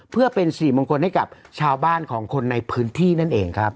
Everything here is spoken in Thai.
เพื่อเป็นสิริมงคลให้กับชาวบ้านของคนในพื้นที่นั่นเองครับ